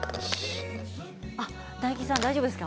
大吉さん大丈夫ですか。